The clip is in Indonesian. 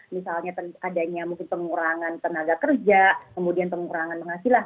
misalnya adanya mungkin pengurangan tenaga kerja kemudian pengurangan penghasilan